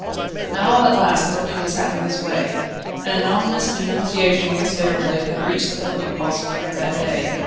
But now at last Merlin was having his way. An anonymous denunciation against Déroulède had reached the Public Prosecutor that day.